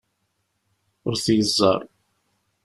Ur t-yeẓẓar.